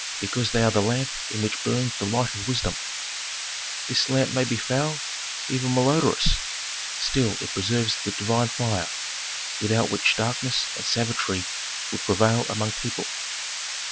Because they are the lamp in which burns the light of wisdom. "This lamp may be foul, even malodorous; still it preserves the divine fire, without which darkness and savagery would prevail among people.